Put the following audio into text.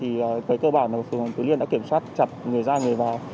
thì cái cơ bản là phường tứ liên đã kiểm soát chặt người ra người vào